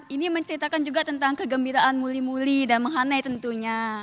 ini menceritakan juga tentang kegembiraan muli muli dan menghanai tentunya